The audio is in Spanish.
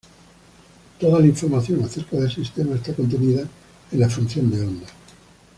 Toda la información acerca del sistema está contenida en la función de onda.